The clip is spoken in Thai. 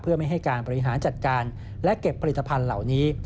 เพื่อไม่ให้การบริหารจัดการและเก็บผลิตภัณฑ์เหล่านี้